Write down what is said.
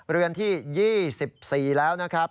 เรือนที่๒๔แล้วนะครับ